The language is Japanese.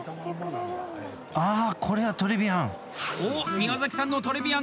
あ、これはトレビアン！